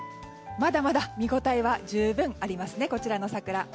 まだまだ見応えは十分あります、こちらの桜。